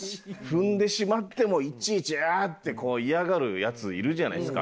踏んでしまってもういちいち「あ！」って嫌がるヤツいるじゃないですか。